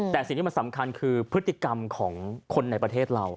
แต่สิ่งที่มันสำคัญคือพฤติกรรมของคนในประเทศเรา